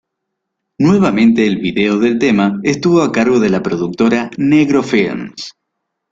Nuevamente el video del tema estuvo a cargo de la productora Negro Films.